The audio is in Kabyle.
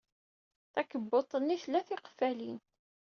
Takebbuḍt-nni tla tiqeffalin.